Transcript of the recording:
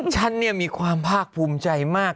ฉันมีความภาคภูมิใจมาก